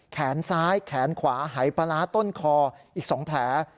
แขนซ้ายแขนขวาหายปลาร้าต้นคออีก๒แผล